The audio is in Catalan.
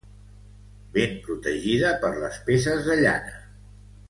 Ben protegida per les peces de llana.